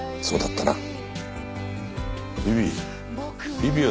そうだったか？